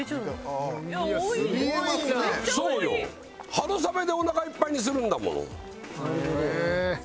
春雨でおなかいっぱいにするんだもの。